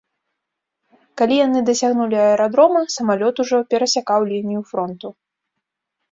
Калі яны дасягнулі аэрадрома, самалёт ужо перасякаў лінію фронту.